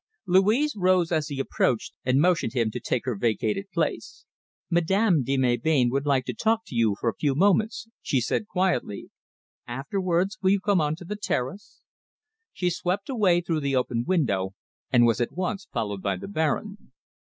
Louise rose as he approached and motioned him to take her vacated place. "Madame de Melbain would like to talk to you for a few moments," she said quietly. "Afterwards will you come on to the terrace?" She swept away through the open window, and was at once followed by the Baron.